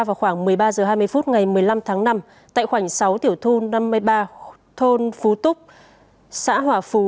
vào khoảng một mươi ba giờ hai mươi phút ngày một mươi năm tháng năm tại khoảng sáu tiểu thun năm mươi ba thôn phú túc xã hòa phú